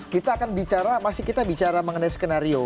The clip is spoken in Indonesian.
kita akan bicara masih kita bicara mengenai skenario